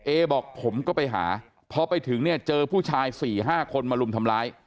เอบอกผมก็ไปหาพอไปถึงเนี่ยเจอผู้ชาย๔๕คนมารุมทำร้าย